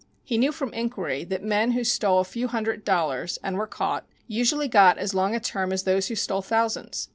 He knew from inquiry that men who stole a few hundred dollars, and were caught, usually got as long a term as those who stole thousands.